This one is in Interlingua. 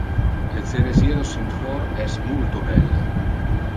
Le ceresieros in flor es multo belle.